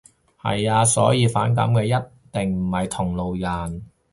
係呀。所以反感嘅一定唔係同路人